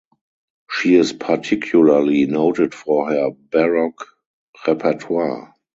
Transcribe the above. She is particularly noted for her baroque repertoire.